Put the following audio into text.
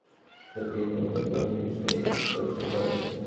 পরে তাঁকে Dhaka medical college হাসপাতালে নিলে কর্তব্যরত চিকিৎসক মৃত ঘোষণা করেন।